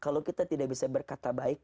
kalau kita tidak bisa berkata baik